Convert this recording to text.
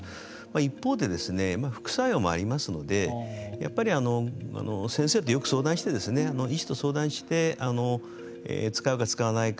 一方で、副作用もありますのでやっぱり先生とよく相談して医師と相談して使うか使わないか。